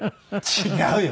違うよ。